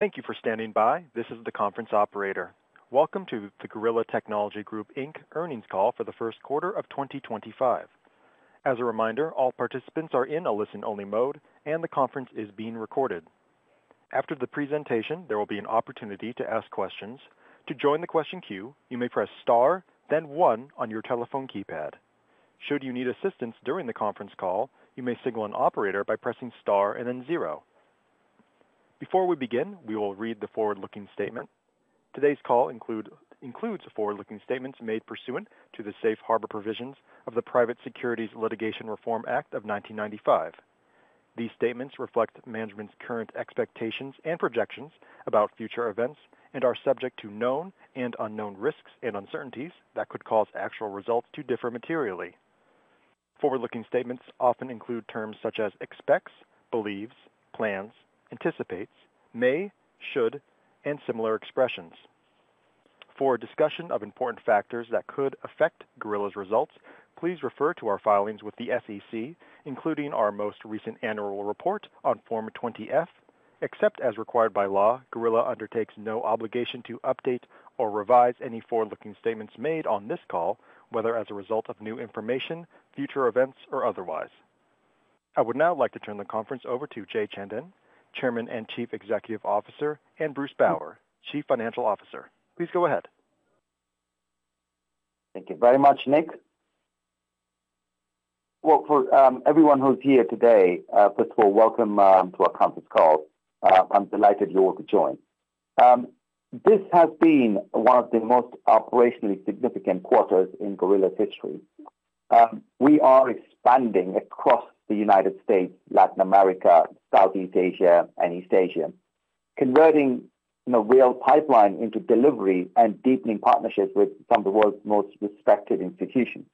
Thank you for standing by. This is the conference operator. Welcome to the Gorilla Technology Group earnings call for the first quarter of 2025. As a reminder, all participants are in a listen-only mode, and the conference is being recorded. After the presentation, there will be an opportunity to ask questions. To join the question queue, you may press star, then one on your telephone keypad. Should you need assistance during the conference call, you may signal an operator by pressing star and then zero. Before we begin, we will read the forward-looking statement. Today's call includes forward-looking statements made pursuant to the safe harbor provisions of the Private Securities Litigation Reform Act of 1995. These statements reflect management's current expectations and projections about future events and are subject to known and unknown risks and uncertainties that could cause actual results to differ materially. Forward-looking statements often include terms such as expects, believes, plans, anticipates, may, should, and similar expressions. For discussion of important factors that could affect Gorilla's results, please refer to our filings with the SEC, including our most recent annual report on Form 20-F. Except as required by law, Gorilla undertakes no obligation to update or revise any forward-looking statements made on this call, whether as a result of new information, future events, or otherwise. I would now like to turn the conference over to Jay Chandan, Chairman and Chief Executive Officer, and Bruce Bower, Chief Financial Officer. Please go ahead. Thank you very much, Nick. For everyone who's here today, first of all, welcome to our conference call. I'm delighted you all could join. This has been one of the most operationally significant quarters in Gorilla's history. We are expanding across the United States, Latin America, Southeast Asia, and East Asia, converting real pipeline into delivery and deepening partnerships with some of the world's most respected institutions.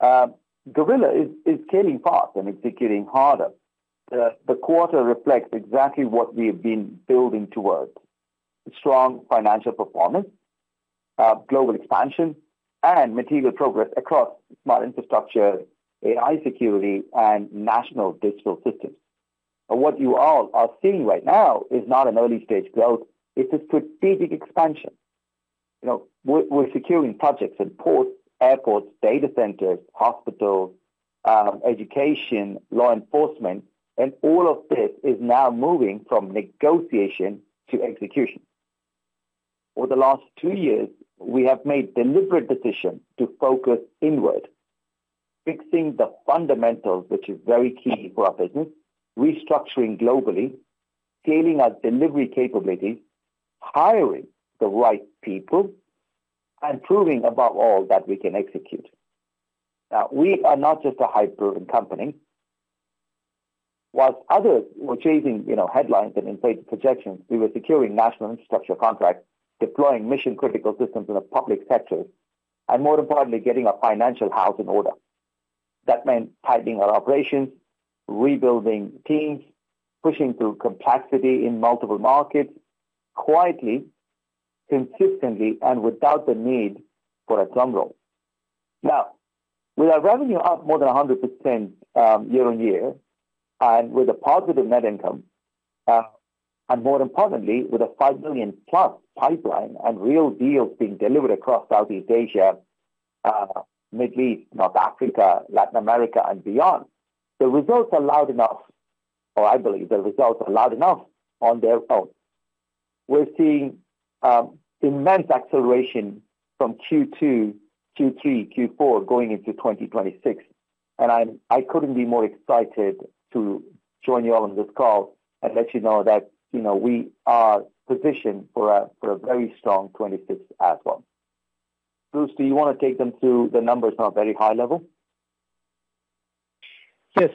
Gorilla is scaling fast and executing harder. The quarter reflects exactly what we have been building towards: strong financial performance, global expansion, and material progress across smart infrastructure, AI security, and national digital systems. What you all are seeing right now is not an early-stage growth. It's a strategic expansion. We're securing projects in ports, airports, data centers, hospitals, education, law enforcement, and all of this is now moving from negotiation to execution. Over the last two years, we have made deliberate decisions to focus inward, fixing the fundamentals, which is very key for our business, restructuring globally, scaling our delivery capabilities, hiring the right people, and proving above all that we can execute. Now, we are not just a high-profit company. Whilst others were chasing headlines and inflated projections, we were securing national infrastructure contracts, deploying mission-critical systems in the public sector, and more importantly, getting our financial house in order. That meant tightening our operations, rebuilding teams, pushing through complexity in multiple markets quietly, consistently, and without the need for a drumroll. Now, with our revenue up more than 100% year-on-year and with a positive net income, and more importantly, with a $5 million+ pipeline and real deals being delivered across Southeast Asia, Middle East, North Africa, Latin America, and beyond, the results are loud enough, or I believe the results are loud enough on their own. We're seeing immense acceleration from Q2, Q3, Q4 going into 2026. I couldn't be more excited to join you all on this call and let you know that we are positioned for a very strong 2026 as well. Bruce, do you want to take them through the numbers on a very high level? Yes.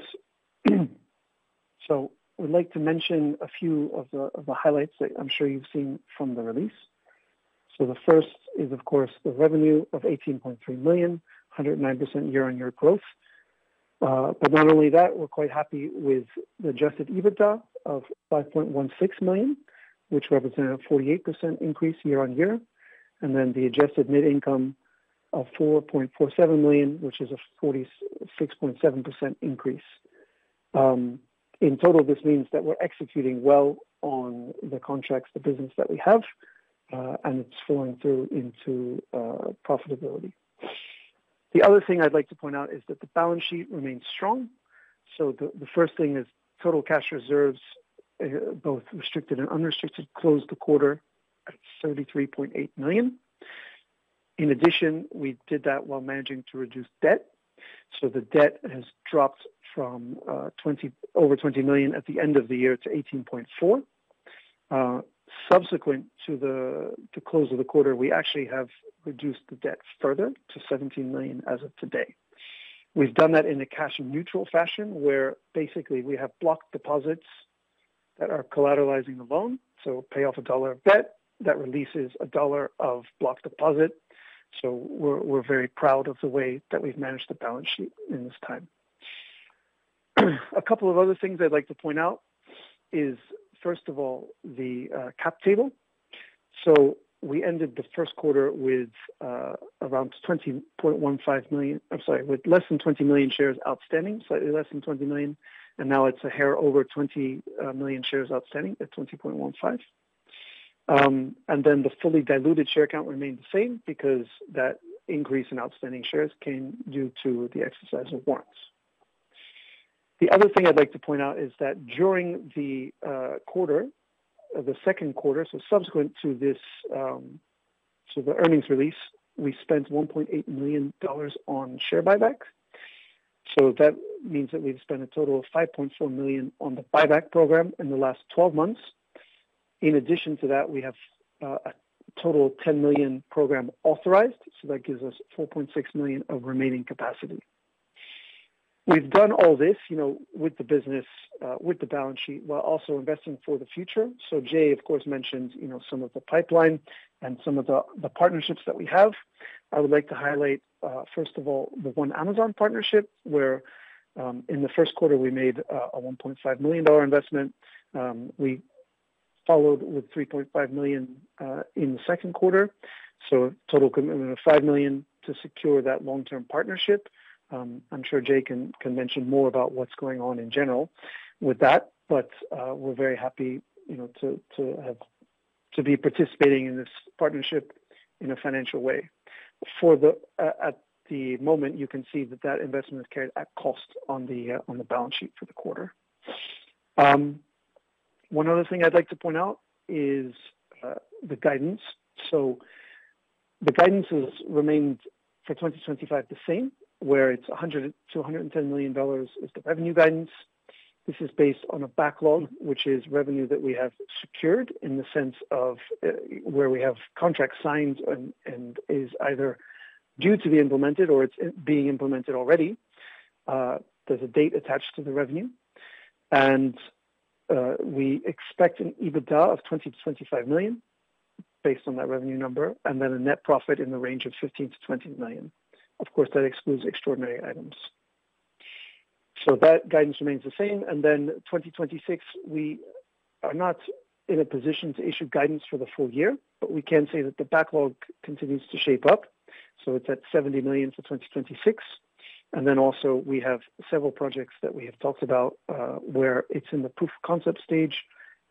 I'd like to mention a few of the highlights that I'm sure you've seen from the release. The first is, of course, the revenue of $18.3 million, 109% year-on-year growth. Not only that, we're quite happy with the Adjusted EBITDA of $5.16 million, which represents a 48% increase year-on-year, and then the adjusted net income of $4.47 million, which is a 46.7% increase. In total, this means that we're executing well on the contracts, the business that we have, and it's flowing through into profitability. The other thing I'd like to point out is that the balance sheet remains strong. The first thing is total cash reserves, both restricted and unrestricted, closed the quarter at $33.8 million. In addition, we did that while managing to reduce debt. The debt has dropped from over $20 million at the end of the year to $18.4 million. Subsequent to the close of the quarter, we actually have reduced the debt further to $17 million as of today. We've done that in a cash-neutral fashion where basically we have blocked deposits that are collateralizing the loan. To pay off a dollar of debt, that releases a dollar of blocked deposit. We are very proud of the way that we've managed the balance sheet in this time. A couple of other things I'd like to point out is, first of all, the cap table. We ended the first quarter with around 20.15 million—I'm sorry, with less than 20 million shares outstanding, slightly less than 20 million. Now it's a hair over 20 million shares outstanding at 20.15. The fully diluted share count remained the same because that increase in outstanding shares came due to the exercise of warrants. The other thing I'd like to point out is that during the second quarter, so subsequent to the earnings release, we spent $1.8 million on share buybacks. That means that we've spent a total of $5.4 million on the buyback program in the last 12 months. In addition to that, we have a total of $10 million program authorized. That gives us $4.6 million of remaining capacity. We've done all this with the business, with the balance sheet, while also investing for the future. Jay, of course, mentioned some of the pipeline and some of the partnerships that we have. I would like to highlight, first of all, the ONE AMAZON partnership where in the first quarter we made a $1.5 million investment. We followed with $3.5 million in the second quarter. Total commitment of $5 million to secure that long-term partnership. I'm sure Jay can mention more about what's going on in general with that, but we're very happy to be participating in this partnership in a financial way. At the moment, you can see that that investment is carried at cost on the balance sheet for the quarter. One other thing I'd like to point out is the guidance. The guidance has remained for 2025 the same, where it's $210 million is the revenue guidance. This is based on a backlog, which is revenue that we have secured in the sense of where we have contracts signed and is either due to be implemented or it's being implemented already. There's a date attached to the revenue. We expect an EBITDA of $20 million-$25 million based on that revenue number, and then a net profit in the range of $15 million-$20 million. Of course, that excludes extraordinary items. So that guidance remains the same. And then 2026, we are not in a position to issue guidance for the full year, but we can say that the backlog continues to shape up. So it's at $70 million for 2026. And then also we have several projects that we have talked about where it's in the proof of concept stage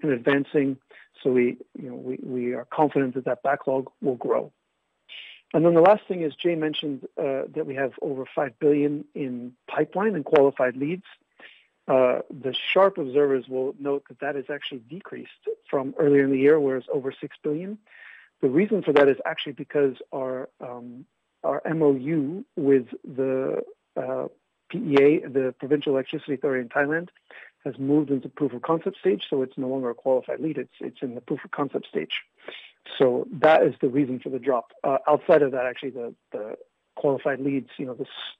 and advancing. So we are confident that that backlog will grow. And then the last thing is Jay mentioned that we have over $5 billion in pipeline and qualified leads. The sharp observers will note that that has actually decreased from earlier in the year, where it's over $6 billion. The reason for that is actually because our MOU with the PEA, the Provincial Electricity Authority in Thailand, has moved into proof of concept stage. So it's no longer a qualified lead. It's in the proof of concept stage. That is the reason for the drop. Outside of that, actually, the qualified leads,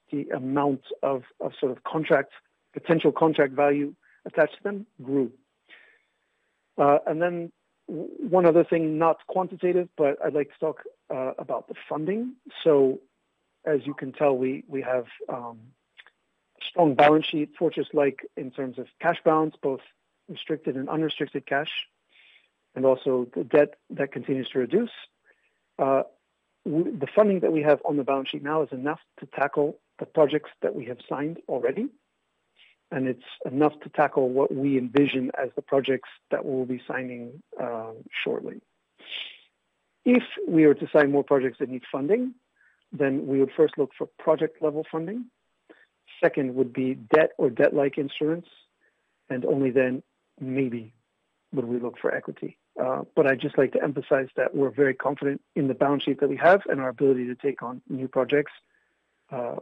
the amount of sort of potential contract value attached to them grew. One other thing, not quantitative, but I'd like to talk about the funding. As you can tell, we have a strong balance sheet, fortress-like in terms of cash balance, both restricted and unrestricted cash, and also the debt that continues to reduce. The funding that we have on the balance sheet now is enough to tackle the projects that we have signed already. It's enough to tackle what we envision as the projects that we'll be signing shortly. If we were to sign more projects that need funding, we would first look for project-level funding. Second would be debt or debt-like instruments. Only then maybe would we look for equity. I'd just like to emphasize that we're very confident in the balance sheet that we have and our ability to take on new projects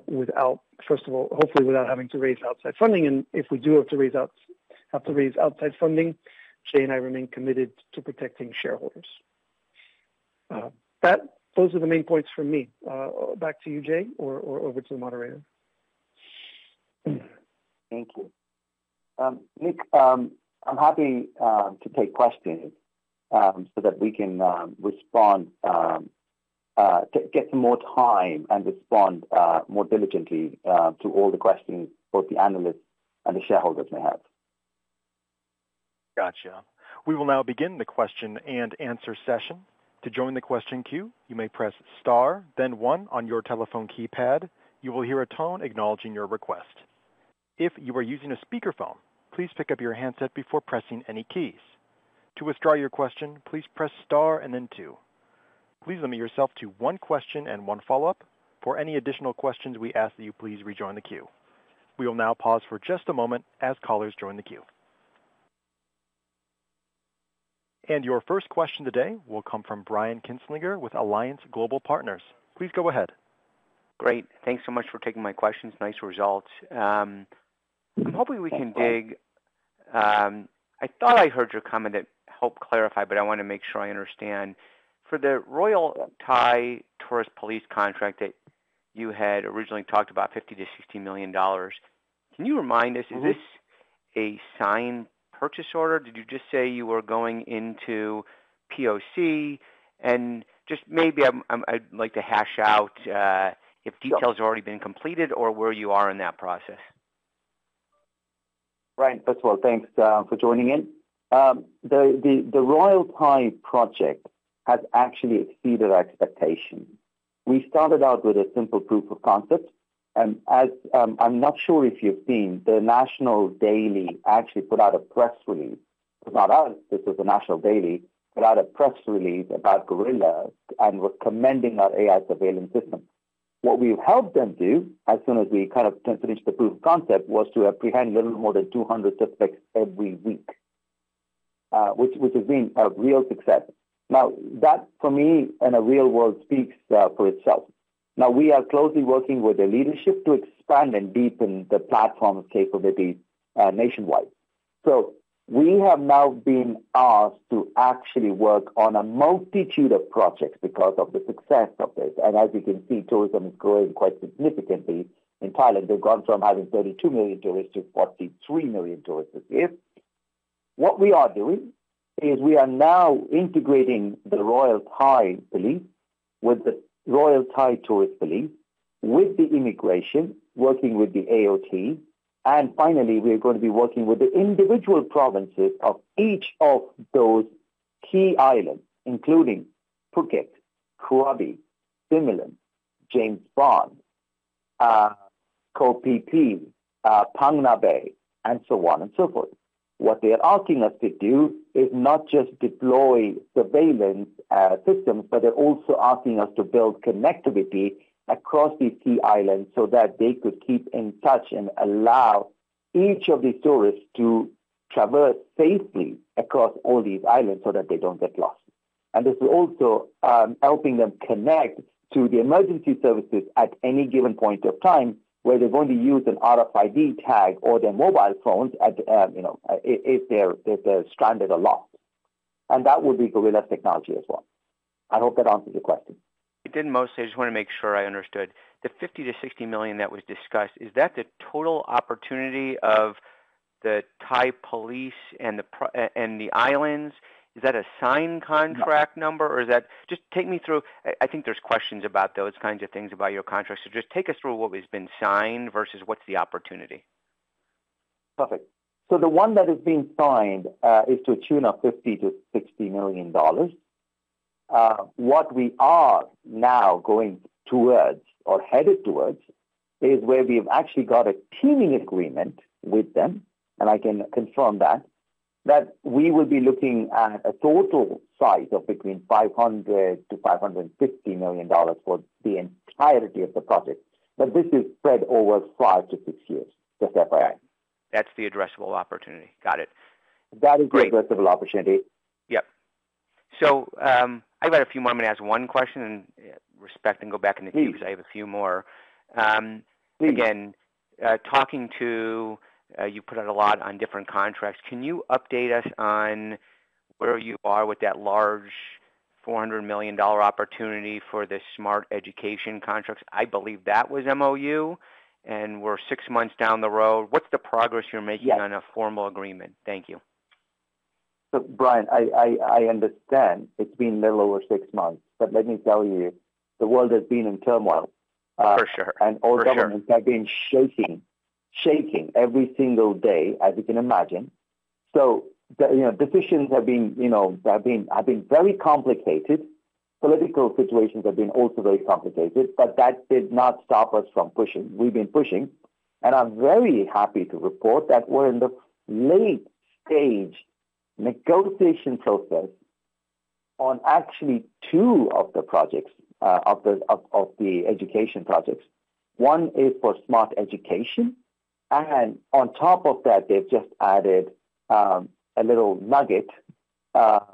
without, first of all, hopefully without having to raise outside funding. If we do have to raise outside funding, Jay and I remain committed to protecting shareholders. Those are the main points for me. Back to you, Jay, or over to the moderator. Thank you. Nick, I'm happy to take questions so that we can get some more time and respond more diligently to all the questions both the analysts and the shareholders may have. Gotcha. We will now begin the question and answer session. To join the question queue, you may press star, then one on your telephone keypad. You will hear a tone acknowledging your request. If you are using a speakerphone, please pick up your handset before pressing any keys. To withdraw your question, please press star and then two. Please limit yourself to one question and one follow-up. For any additional questions we ask that you please rejoin the queue. We will now pause for just a moment as callers join the queue. Your first question today will come from Brian Kinstlinger with Alliance Global Partners. Please go ahead. Great. Thanks so much for taking my questions. Nice results. I'm hoping we can dig. I thought I heard your comment that helped clarify, but I want to make sure I understand. For the Royal Thai Tourist Police contract that you had originally talked about, $50 million-$60 million, can you remind us, is this a signed purchase order? Did you just say you were going into POC? And just maybe I'd like to hash out if details have already been completed or where you are in that process. Right. First of all, thanks for joining in. The Royal Thai project has actually exceeded expectations. We started out with a simple proof of concept. I'm not sure if you've seen the National Daily actually put out a press release. It's not us. This was the National Daily that had a press release about Gorilla and was commending our AI Surveillance System. What we helped them do as soon as we kind of finished the proof of concept was to apprehend a little more than 200 suspects every week, which has been a real success. Now, that for me in a real world speaks for itself. Now, we are closely working with the leadership to expand and deepen the platform's capabilities nationwide. We have now been asked to actually work on a multitude of projects because of the success of this. As you can see, tourism is growing quite significantly in Thailand. They have gone from having 32 million tourists to 43 million tourists this year. What we are doing is we are now integrating the Royal Thai Police with the Royal Thai Tourist Police, with the immigration, working with the Airports of Thailand (AOT). Finally, we are going to be working with the individual provinces of each of those key islands, including Phuket, Krabi, Similan, James Bond, Ko Phi Phi, Phang Nga Bay, and so on and so forth. What they are asking us to do is not just deploy surveillance systems, but they are also asking us to build connectivity across these key islands so that they could keep in touch and allow each of these tourists to traverse safely across all these islands so that they do not get lost. This is also helping them connect to the emergency services at any given point of time where they're going to use an RFID tag or their mobile phones if they're stranded or lost. That would be Gorilla Technology as well. I hope that answers your question. It did mostly. I just want to make sure I understood. The $50 million-$60 million that was discussed, is that the total opportunity of the Thai Police and the islands? Is that a signed contract number, or is that just take me through? I think there's questions about those kinds of things about your contracts. Just take us through what has been signed versus what's the opportunity. Perfect. The one that has been signed is to a tune of $50 million-$60 million. What we are now going towards or headed towards is where we have actually got a teaming agreement with them, and I can confirm that, that we will be looking at a total size of between $500 million-$550 million for the entirety of the project. This is spread over five to six years, just FYI. That's the addressable opportunity. Got it. That is the addressable opportunity. Yep. I've got a few more. I'm going to ask one question and respect and go back in the queue because I have a few more. Again, talking to you put out a lot on different contracts. Can you update us on where you are with that large $400 million opportunity for the smart education contracts? I believe that was MOU, and we're six months down the road. What's the progress you're making on a formal agreement? Thank you. Brian, I understand it's been a little over six months, but let me tell you, the world has been in turmoil. For sure. All governments have been shaking, shaking every single day, as you can imagine. Decisions have been very complicated. Political situations have been also very complicated, but that did not stop us from pushing. We've been pushing. I'm very happy to report that we're in the late-stage negotiation process on actually two of the projects of the education projects. One is for smart education. On top of that, they've just added a little nugget,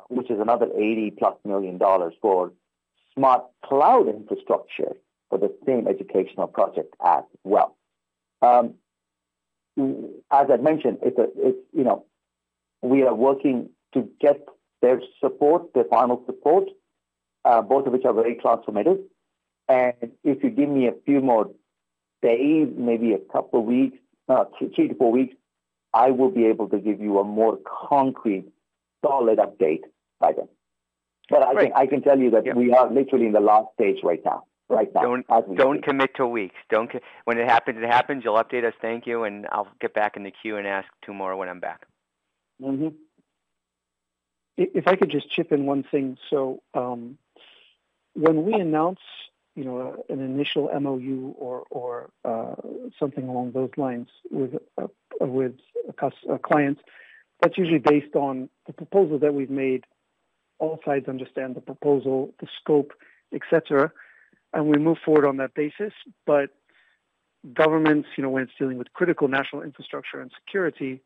which is another $80 million-plus for smart cloud infrastructure for the same educational project as well. As I mentioned, we are working to get their support, their final support, both of which are very transformative. If you give me a few more days, maybe a couple of weeks, three to four weeks, I will be able to give you a more concrete, solid update by then. I can tell you that we are literally in the last stage right now. Don't commit to weeks. When it happens, it happens. You will update us. Thank you. I will get back in the queue and ask tomorrow when I am back. If I could just chip in one thing. When we announce an initial MOU or something along those lines with a client, that's usually based on the proposal that we've made. All sides understand the proposal, the scope, etc. We move forward on that basis. Governments, when it's dealing with critical national infrastructure and security,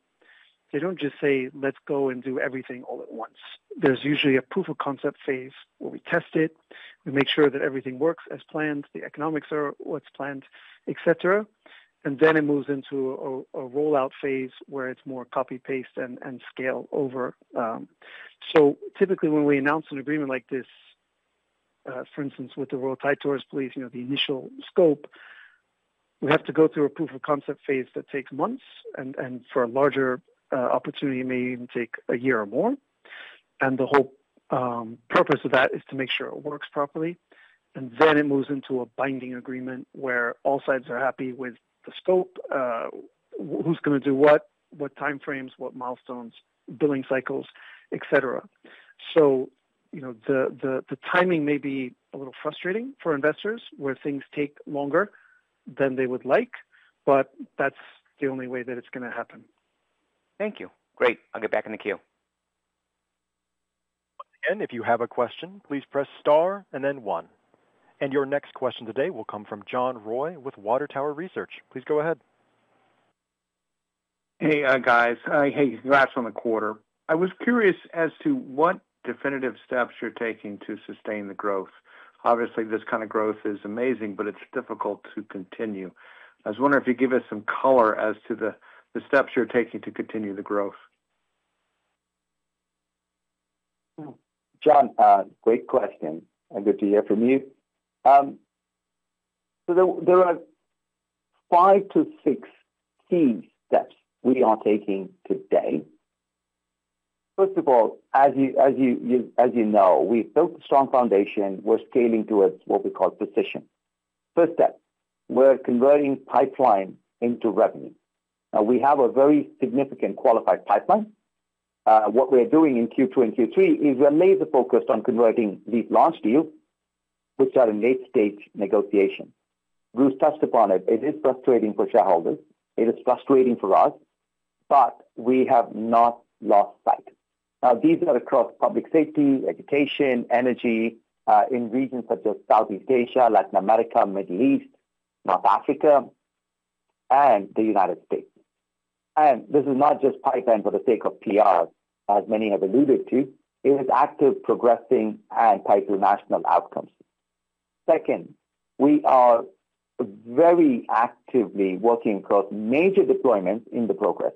they don't just say, "Let's go and do everything all at once." There's usually a proof of concept phase where we test it. We make sure that everything works as planned, the economics are what's planned, etc. It then moves into a rollout phase where it's more copy, paste, and scale over. Typically, when we announce an agreement like this, for instance, with the Royal Thai Tourist Police, the initial scope, we have to go through a proof of concept phase that takes months. For a larger opportunity, it may even take a year or more. The whole purpose of that is to make sure it works properly. Then it moves into a binding agreement where all sides are happy with the scope, who's going to do what, what time frames, what milestones, billing cycles, etc. The timing may be a little frustrating for investors where things take longer than they would like, but that's the only way that it's going to happen. Thank you. Great. I'll get back in the queue. If you have a question, please press star and then one. Your next question today will come from John Roy with Water Tower Research. Please go ahead. Hey, guys. Hey, congrats on the quarter. I was curious as to what definitive steps you're taking to sustain the growth. Obviously, this kind of growth is amazing, but it's difficult to continue. I was wondering if you'd give us some color as to the steps you're taking to continue the growth. John, great question. Good to hear from you. There are five to six key steps we are taking today. First of all, as you know, we built a strong foundation. We're scaling towards what we call precision. First step, we're converting pipeline into revenue. Now, we have a very significant qualified pipeline. What we're doing in Q2 and Q3 is we're laser-focused on converting these large deals, which are in late-stage negotiations. Bruce touched upon it. It is frustrating for shareholders. It is frustrating for us, but we have not lost sight. These are across public safety, education, energy in regions such as Southeast Asia, Latin America, Middle East, North Africa, and the United States. This is not just pipeline for the sake of PR, as many have alluded to. It is active, progressing, and tied to national outcomes. Second, we are very actively working across major deployments in the progress.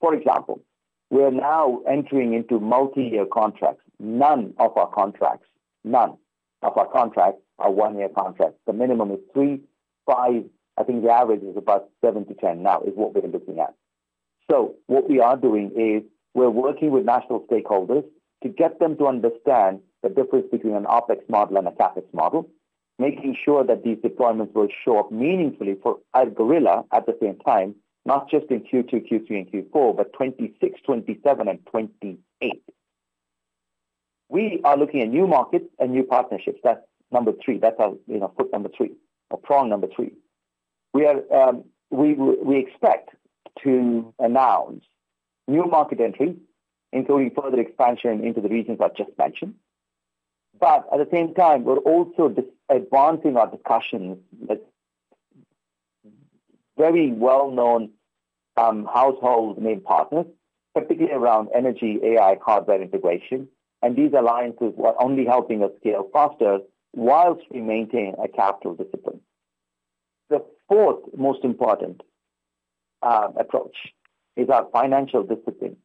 For example, we're now entering into multi-year contracts. None of our contracts, none of our contracts are one-year contracts. The minimum is three, five. I think the average is about seven to 10 now is what we're looking at. So what we are doing is we're working with national stakeholders to get them to understand the difference between an OPEX model and a CAPEX model, making sure that these deployments will show up meaningfully for Gorilla at the same time, not just in Q2, Q3, and Q4, but 2026, 2027, and 2028. We are looking at new markets and new partnerships. That's number three. That's our foot number three, our prong number three. We expect to announce new market entries, including further expansion into the regions I just mentioned. At the same time, we're also advancing our discussions with very well-known household name partners, particularly around energy, AI, hardware integration. These alliances are only helping us scale faster whilst we maintain a capital discipline. The fourth most important approach is our financial discipline.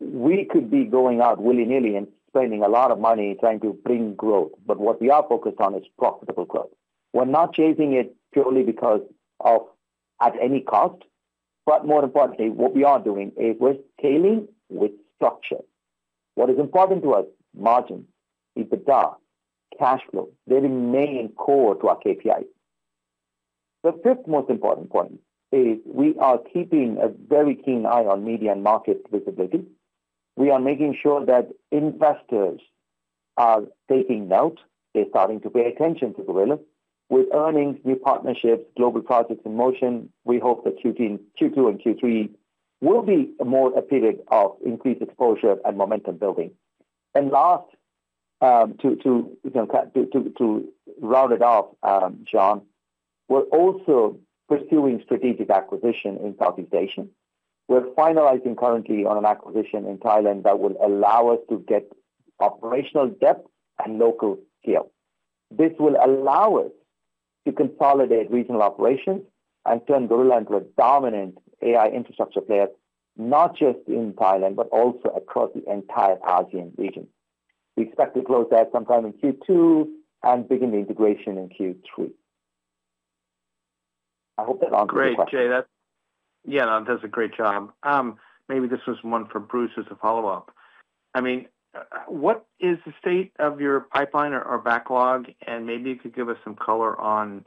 We could be going out willy-nilly and spending a lot of money trying to bring growth, but what we are focused on is profitable growth. We're not chasing it purely because of at any cost, but more importantly, what we are doing is we're scaling with structure. What is important to us? Margins, EBITDA, cash flow. They remain core to our KPIs. The fifth most important point is we are keeping a very keen eye on media and market visibility. We are making sure that investors are taking note. They're starting to pay attention to Gorilla with earnings, new partnerships, global projects in motion. We hope that Q2 and Q3 will be more a period of increased exposure and momentum building. Last, to round it off, John, we're also pursuing strategic acquisition in Southeast Asia. We're finalizing currently on an acquisition in Thailand that will allow us to get operational depth and local scale. This will allow us to consolidate regional operations and turn Gorilla into a dominant AI infrastructure player, not just in Thailand, but also across the entire ASEAN region. We expect to close that sometime in Q2 and begin the integration in Q3. I hope that answers your question. Great, Jay, that's, yeah, that was a great job. Maybe this is one for Bruce as a follow-up. I mean, what is the state of your pipeline or backlog? And maybe you could give us some color on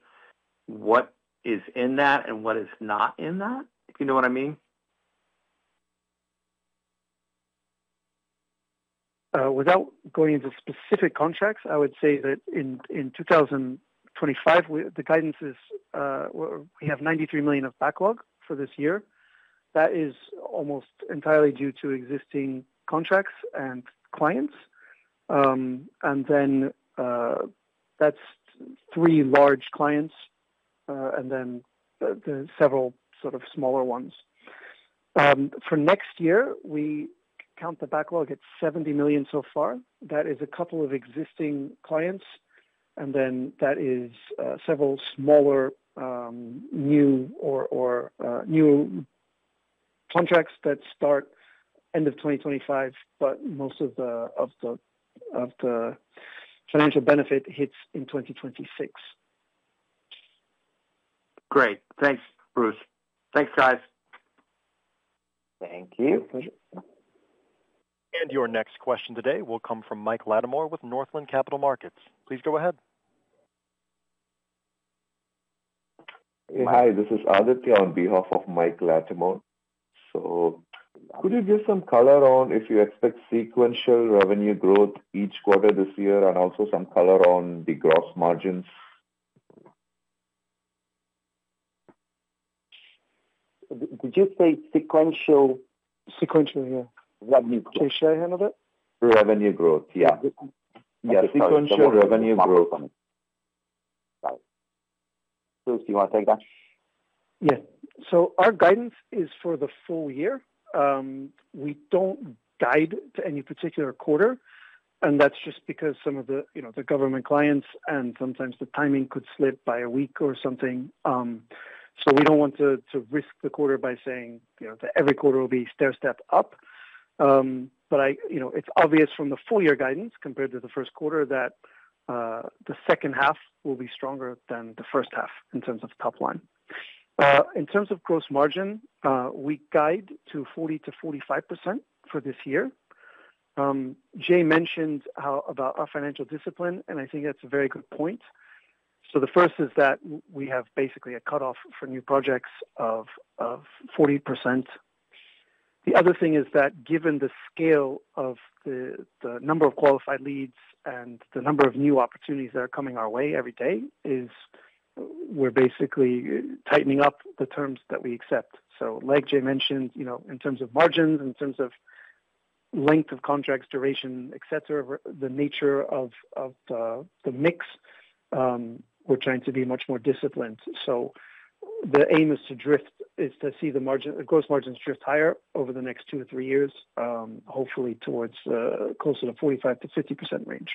what is in that and what is not in that, if you know what I mean? Without going into specific contracts, I would say that in 2025, the guidance is we have $93 million of backlog for this year. That is almost entirely due to existing contracts and clients. That is three large clients and then several sort of smaller ones. For next year, we count the backlog at $70 million so far. That is a couple of existing clients. That is several smaller new contracts that start end of 2025, but most of the financial benefit hits in 2026. Great. Thanks, Bruce. Thanks, guys. Thank you. Your next question today will come from Mike Latimore with Northland Capital Markets. Please go ahead. Hi, this is Aditya on behalf of Mike Latimore. Could you give some color on if you expect sequential revenue growth each quarter this year and also some color on the gross margins? Did you say sequential? Sequential, yeah. Revenue. Share handle that? Revenue growth, yeah. Yeah, sequential revenue growth. Bruce, do you want to take that? Yeah. So our guidance is for the full year. We do not guide to any particular quarter. That is just because some of the government clients and sometimes the timing could slip by a week or something. We do not want to risk the quarter by saying that every quarter will be stair-step up. It is obvious from the full year guidance compared to the first quarter that the second half will be stronger than the first half in terms of top line. In terms of gross margin, we guide to 40%-45% for this year. Jay mentioned about our financial discipline, and I think that is a very good point. The first is that we have basically a cutoff for new projects of 40%. The other thing is that given the scale of the number of qualified leads and the number of new opportunities that are coming our way every day, we're basically tightening up the terms that we accept. Like Jay mentioned, in terms of margins, in terms of length of contracts, duration, etc., the nature of the mix, we're trying to be much more disciplined. The aim is to see the gross margins drift higher over the next two to three years, hopefully towards closer to 45%-50% range.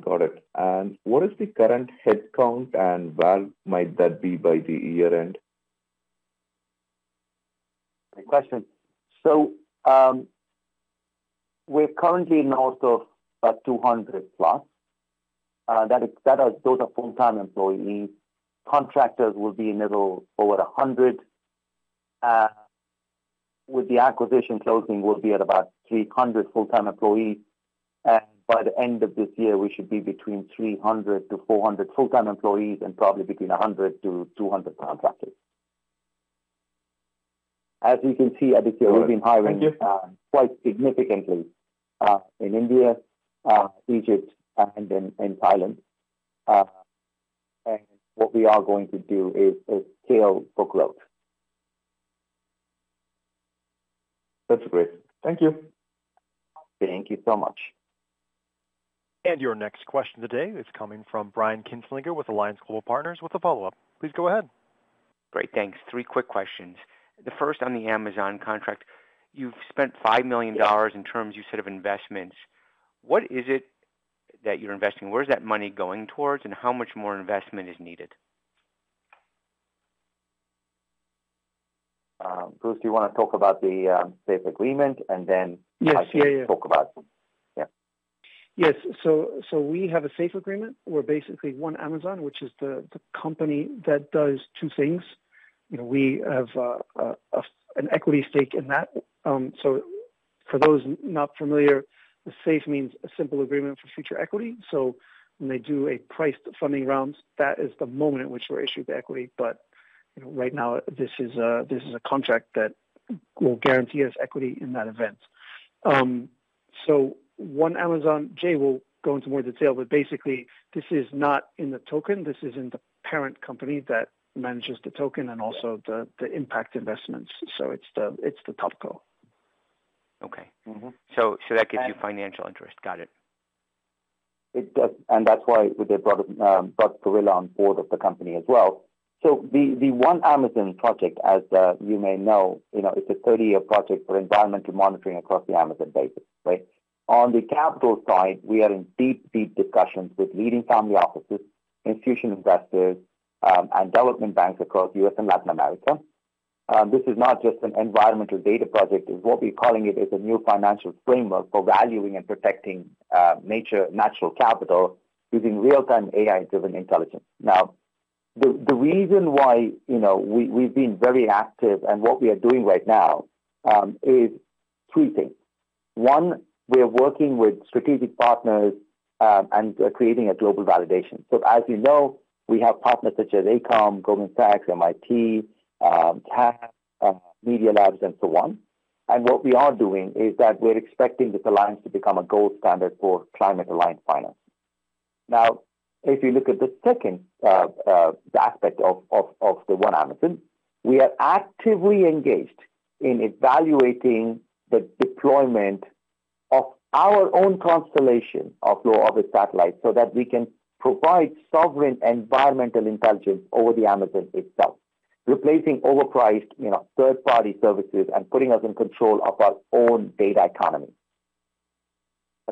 Got it. What is the current headcount and might that be by the year end? Great question. We are currently north of 200+. Those are full-time employees. Contractors will be in the middle over 100. With the acquisition closing, we will be at about 300 full-time employees. By the end of this year, we should be between 300-400 full-time employees and probably between 100-200 contractors. As you can see, Aditya, we have been hiring quite significantly in India, Egypt, and in Thailand. What we are going to do is scale for growth. That's great. Thank you. Thank you so much. Your next question today is coming from Brian Kinstlinger with Alliance Global Partners with a follow-up. Please go ahead. Great. Thanks. Three quick questions. The first on the Amazon contract. You've spent $5 million in terms you said of investments. What is it that you're investing? Where is that money going towards and how much more investment is needed? Bruce, do you want to talk about the SAFE agreement and then I can talk about? Yes. Yeah, yeah. Yes. We have a SAFE agreement. We're basically ONE AMAZON, which is the company that does two things. We have an equity stake in that. For those not familiar, SAFE means a simple agreement for future equity. When they do a priced funding round, that is the moment in which we're issued the equity. Right now, this is a contract that will guarantee us equity in that event. ONE AMAZON, Jay will go into more detail, but basically, this is not in the token. This is in the parent company that manages the token and also the impact investments. It is the topical. Okay. So that gives you financial interest. Got it. It does. That is why they brought Gorilla on board of the company as well. The ONE AMAZON project, as you may know, is a 30-year project for environmental monitoring across the Amazon Basin, right? On the capital side, we are in deep, deep discussions with leading family offices, institutional investors, and development banks across the U.S. and Latin America. This is not just an environmental data project. What we are calling it is a new financial framework for valuing and protecting natural capital using real-time AI-driven intelligence. Now, the reason why we have been very active and what we are doing right now is three things. One, we are working with strategic partners and creating a global validation. As you know, we have partners such as AECOM, Goldman Sachs, MIT, MIT Media Lab, and so on. What we are doing is that we're expecting this alliance to become a gold standard for climate-aligned finance. Now, if you look at the second aspect of the ONE AMAZON, we are actively engaged in evaluating the deployment of our own constellation of low-orbit satellites so that we can provide sovereign environmental intelligence over the Amazon itself, replacing overpriced third-party services and putting us in control of our own data economy.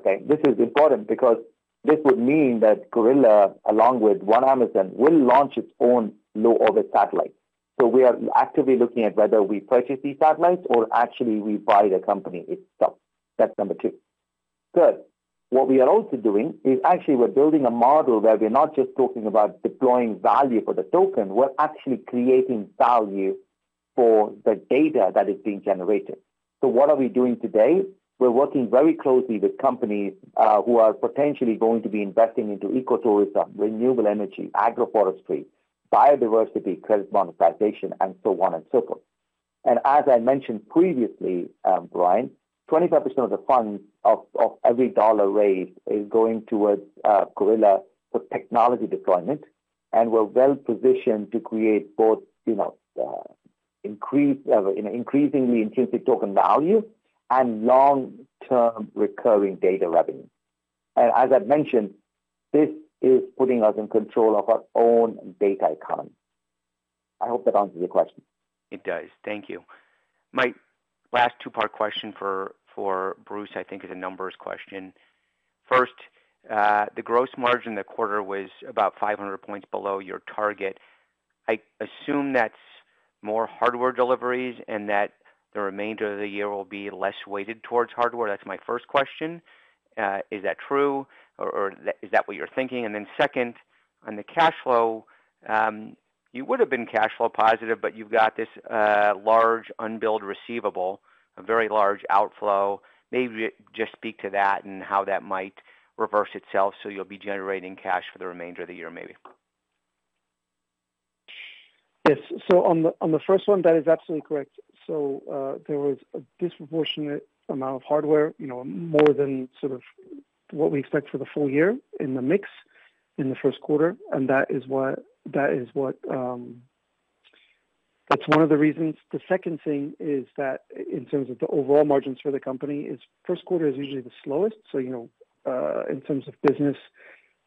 This is important because this would mean that Gorilla, along with ONE AMAZON, will launch its own low-orbit satellites. We are actively looking at whether we purchase these satellites or actually we buy the company itself. That's number two. Third, what we are also doing is actually we're building a model where we're not just talking about deploying value for the token. We're actually creating value for the data that is being generated. What are we doing today? We're working very closely with companies who are potentially going to be investing into ecotourism, renewable energy, agroforestry, biodiversity, credit monetization, and so on and so forth. As I mentioned previously, Brian, 25% of the funds of every dollar raised is going towards Gorilla for technology deployment. We're well positioned to create both increasingly intrinsic token value and long-term recurring data revenue. As I've mentioned, this is putting us in control of our own data economy. I hope that answers your question. It does. Thank you. My last two-part question for Bruce, I think, is a numbers question. First, the gross margin the quarter was about 500 basis points below your target. I assume that's more hardware deliveries and that the remainder of the year will be less weighted towards hardware. That's my first question. Is that true? Is that what you're thinking? Second, on the cash flow, you would have been cash flow positive, but you've got this large unbilled receivable, a very large outflow. Maybe just speak to that and how that might reverse itself so you'll be generating cash for the remainder of the year, maybe. Yes. On the first one, that is absolutely correct. There was a disproportionate amount of hardware, more than what we expect for the full year in the mix in the first quarter. That is one of the reasons. The second thing is that in terms of the overall margins for the company, first quarter is usually the slowest in terms of business,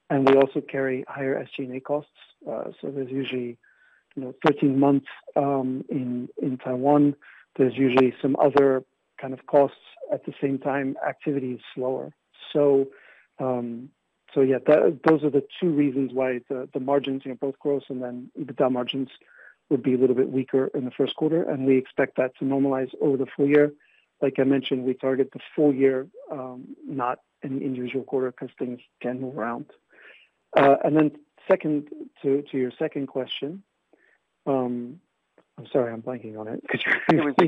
and we also carry higher SG&A costs. There are usually 13 months in Taiwan. There are usually some other kind of costs. At the same time, activity is slower. Yeah, those are the two reasons why the margins, both gross and then EBITDA margins, would be a little bit weaker in the first quarter. We expect that to normalize over the full year. Like I mentioned, we target the full year, not any individual quarter because things can move around. To your second question, I'm sorry, I'm blanking on it. It's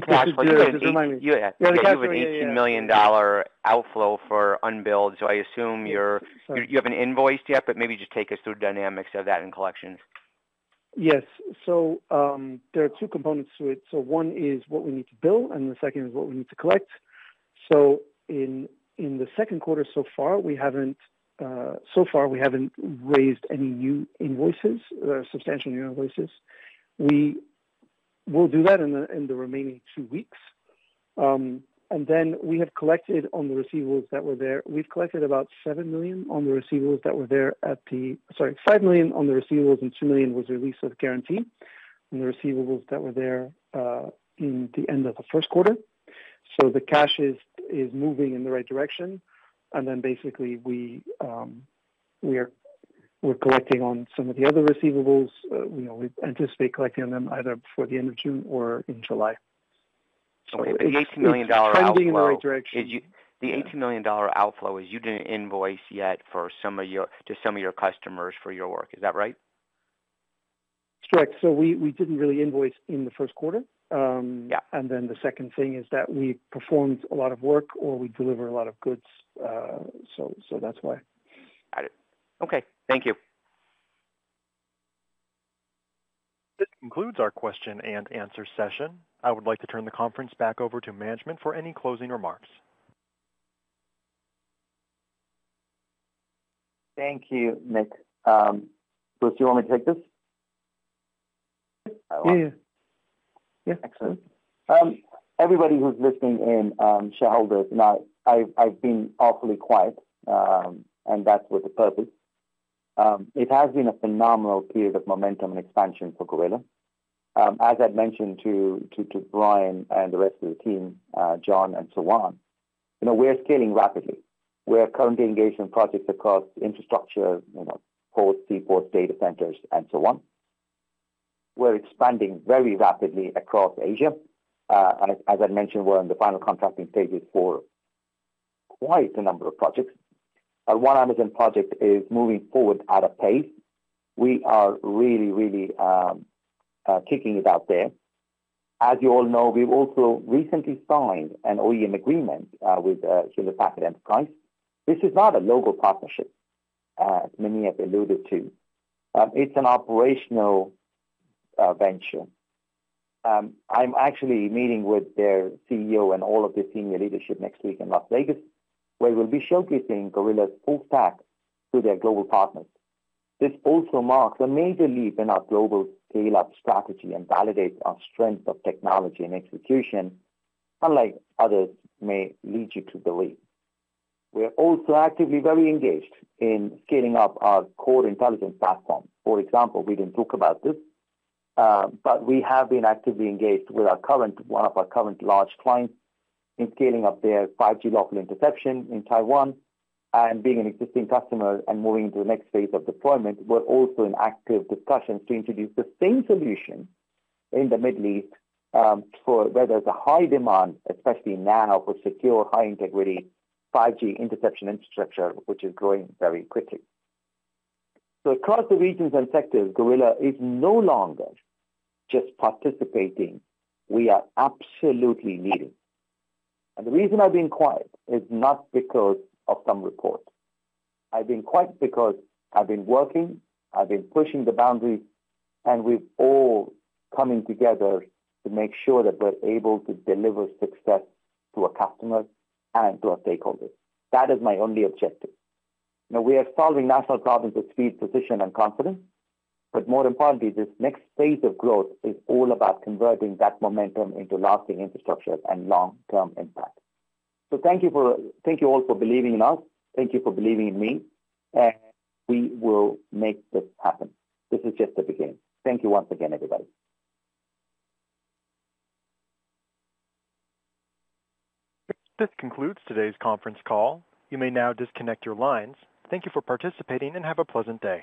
fine. Just remind me. You had a $18 million outflow for unbilled. I assume you have not invoiced yet, but maybe just take us through the dynamics of that and collections. Yes. There are two components to it. One is what we need to bill, and the second is what we need to collect. In the second quarter so far, we haven't raised any substantial new invoices. We will do that in the remaining two weeks. We have collected on the receivables that were there. We've collected about $7 million on the receivables that were there at the—sorry, $5 million on the receivables and $2 million was released of guarantee on the receivables that were there at the end of the first quarter. The cash is moving in the right direction. Basically, we are collecting on some of the other receivables. We anticipate collecting on them either before the end of June or in July. The $18 million outflow. We're trending in the right direction. The $18 million outflow is you didn't invoice yet for some of your customers for your work. Is that right? Correct. We did not really invoice in the first quarter. The second thing is that we performed a lot of work or we delivered a lot of goods. That is why. Got it. Okay. Thank you. This concludes our question and answer session. I would like to turn the conference back over to management for any closing remarks. Thank you, Nick. Bruce, do you want me to take this? Yeah. Yeah. Excellent. Everybody who's listening in should know I've been awfully quiet, and that's with the purpose. It has been a phenomenal period of momentum and expansion for Gorilla. As I've mentioned to Brian and the rest of the team, John, and so on, we're scaling rapidly. We're currently engaged in projects across infrastructure, ports, seaports, data centers, and so on. We're expanding very rapidly across Asia. As I mentioned, we're in the final contracting stages for quite a number of projects. Our ONE AMAZON project is moving forward at a pace. We are really, really kicking it out there. As you all know, we've also recently signed an OEM agreement with Hewlett Packard Enterprise. This is not a local partnership, as many have alluded to. It's an operational venture. I'm actually meeting with their CEO and all of the senior leadership next week in Las Vegas, where we'll be showcasing Gorilla's full stack to their global partners. This also marks a major leap in our global scale-up strategy and validates our strength of technology and execution, unlike others may lead you to believe. We're also actively very engaged in scaling up our Core Intelligence Platform. For example, we didn't talk about this, but we have been actively engaged with one of our current large clients in scaling up their 5G local interception in Taiwan. Being an existing customer and moving into the next phase of deployment, we're also in active discussions to introduce the same solution in the Middle East, where there's a high demand, especially now for secure, high-integrity 5G interception infrastructure, which is growing very quickly. Across the regions and sectors, Gorilla is no longer just participating. We are absolutely leading. The reason I've been quiet is not because of some report. I've been quiet because I've been working. I've been pushing the boundaries, and we're all coming together to make sure that we're able to deliver success to our customers and to our stakeholders. That is my only objective. We are solving national problems with speed, precision, and confidence. More importantly, this next phase of growth is all about converting that momentum into lasting infrastructure and long-term impact. Thank you all for believing in us. Thank you for believing in me. We will make this happen. This is just the beginning. Thank you once again, everybody. This concludes today's conference call. You may now disconnect your lines. Thank you for participating and have a pleasant day.